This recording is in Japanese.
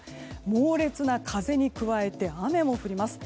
猛烈な風に加えて雨も降ります。